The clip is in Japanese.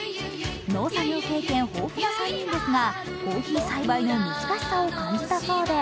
農作業経験豊富な３人ですが、コーヒー栽培の難しさを感じたそうで